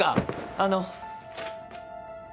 あの。